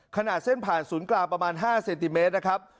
ขนาดเส้นผ่านศูนย์กลางประมาณ๕เซนติเมตรนะครับ